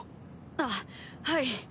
あっはい。